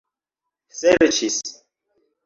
serĉis